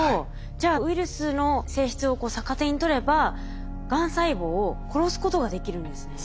じゃあウイルスの性質を逆手に取ればがん細胞を殺すことができるんですね。